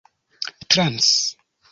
trans